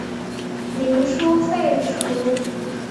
民初废除。